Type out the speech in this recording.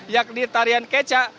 yakni tarian kecak